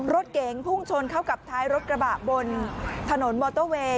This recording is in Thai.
รถเก๋งพุ่งชนเข้ากับท้ายรถกระบะบนถนนมอเตอร์เวย์